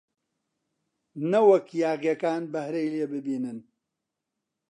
نەوەک یاغییەکان بەهرەی لێ ببینن!